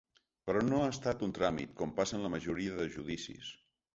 Però no ha estat un tràmit, com passa en la majoria de judicis.